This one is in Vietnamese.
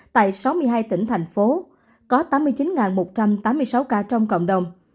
tại sáu mươi hai tỉnh thành phố có tám mươi chín một trăm tám mươi sáu ca trong cộng đồng